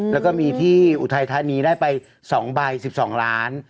แล้วก็มีที่อุทัยธานีได้ไป๒ใบ๑๒ล้าน